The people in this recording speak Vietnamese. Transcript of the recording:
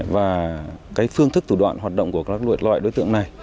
và cái phương thức thủ đoạn hoạt động của các loại đối tượng này